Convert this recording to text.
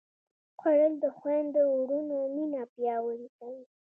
خوړل د خویندو وروڼو مینه پیاوړې کوي